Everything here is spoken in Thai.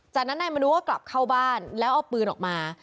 จากนั้นนายมนุก็กลับเข้าบ้านแล้วเอาปืนออกมา